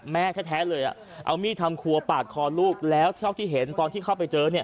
แม่แท้เลยเอามีดทำครัวปาดคอลูกแล้วเท่าที่เห็นตอนที่เข้าไปเจอเนี่ย